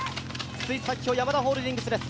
筒井咲帆、ヤマダホールディングスです。